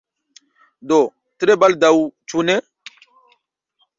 Do, tre baldaŭ ĉu ne?